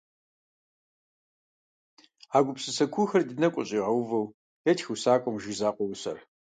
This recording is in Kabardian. А гупсысэ куухэр ди нэгу къыщӀигъэувэу етх усакӀуэм, «Жыг закъуэ» усэр.